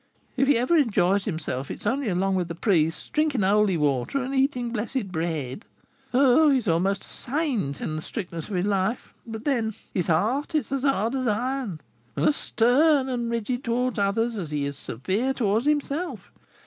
If he ever enjoys himself, it is only along with the priests, drinking holy water, and eating blessed bread. Oh, he is almost a saint in the strictness of his life; but, then, his heart is as hard as iron, and as stern and rigid towards others as he is severe towards himself.